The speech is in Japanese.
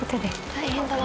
大変だな